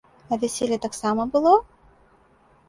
А вяселле таксама было?